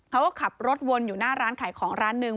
เขาก็ขับรถวนอยู่หน้าร้านขายของร้านหนึ่ง